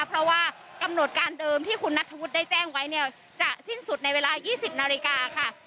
เพราะว่ากำหนดการเดิมที่คุณนัทธวุฒิได้แจ้งไว้เนี่ยจะสิ้นสุดในเวลา๒๐นาฬิกาค่ะ